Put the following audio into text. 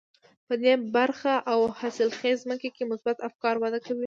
په دې پراخه او حاصلخېزه ځمکه کې مثبت افکار وده کوي.